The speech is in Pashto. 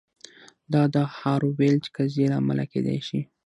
دا د هارو ویلډ قضیې له امله کیدای شي